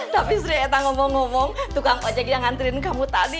tapi saya berbicara tukang ojeng yang mengantri kamu tadi